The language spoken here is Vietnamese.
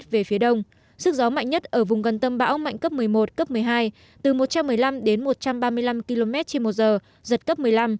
về phía đông sức gió mạnh nhất ở vùng gần tâm bão mạnh cấp một mươi một cấp một mươi hai từ một trăm một mươi năm đến một trăm ba mươi năm km trên một giờ giật cấp một mươi năm